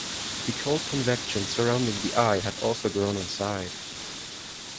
The cold convection surrounding the eye had also grown in size.